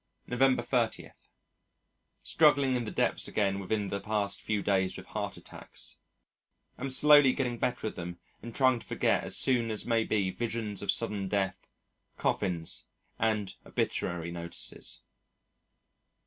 November 30. Struggling in the depths again within the past few days with heart attacks. Am slowly getting better of them and trying to forget as soon as may be visions of sudden death, coffins, and obituary notices.